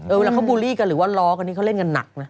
เวลาเขาบูลลี่กันหรือว่าล้อกันนี่เขาเล่นกันหนักนะ